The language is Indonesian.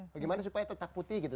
bagaimana supaya tetap putih gitu